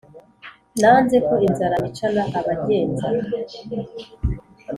Nanze ko inzara inyicana abagenza